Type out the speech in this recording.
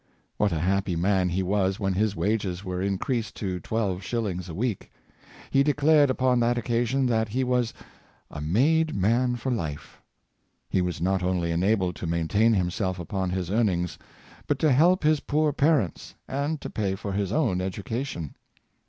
What a happy man he was when his wages were in creased to twelve shillings a week ! He declared upon that occasion that he was "a made man for life!'^ He was not only enabled to maintain himself upon his earnings, but to help his poor parents, and to pay for his own education.